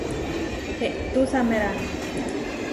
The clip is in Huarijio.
Eʼtúsamerane.